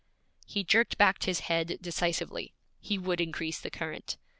He jerked back his head decisively; he would increase the current.